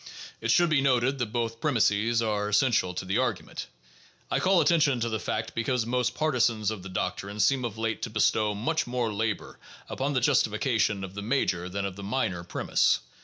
It should be noted that both premises are essential to the argument ; I call attention to the fact because most partisans of the doctrine seem of late to bestow much more labor upon the justification of the major than of the minor premise.